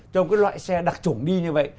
cho một loại xe đặc trủng đi như vậy